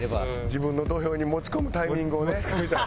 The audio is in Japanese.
自分の土俵に持ち込むタイミングをね。